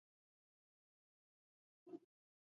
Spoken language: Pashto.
ازادي راډیو د د مخابراتو پرمختګ د ستونزو رېښه بیان کړې.